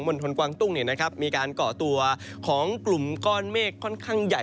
หมลทนกวางตุ้งเนี้ยนะครับมีการก่อตัวของกลุ่มก้อนเมฆค่อนข้างใหญ่